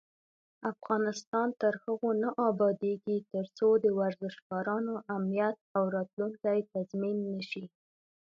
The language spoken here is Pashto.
افغانستان تر هغو نه ابادیږي، ترڅو د ورزشکارانو امنیت او راتلونکی تضمین نشي.